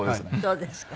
そうですか。